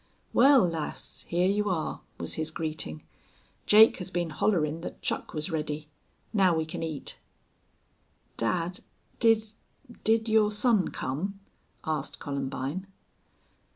"Wal, lass, hyar you are," was his greeting. "Jake has been hollerin' thet chuck was ready. Now we can eat." "Dad did did your son come?" asked Columbine.